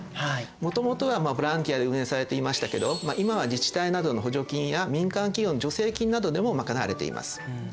もともとはボランティアで運営されていましたけど今は自治体などの補助金や民間企業の助成金などでも賄われています。